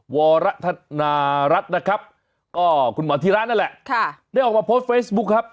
วรธนารัฐนะครับก็คุณหมอธิระนั่นแหละค่ะได้ออกมาโพสต์เฟซบุ๊คครับ